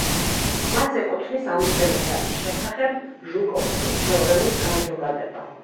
მას ეკუთვნის ამწევი ძალის შესახებ ჟუკოვსკის თეორემის განზოგადება.